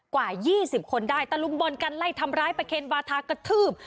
กว่า๒๐คนได้ตรงบอร์นกันไล่ทำร้ายประเข็นบาธากระทืบ